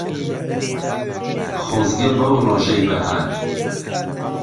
خۆزگە بەو ڕۆژەی بەهار